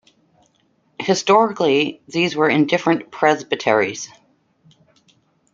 Historically these were in different presbyteries.